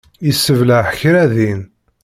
Yessebleε kra din.